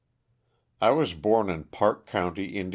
T WAS born in Parke county, Ind.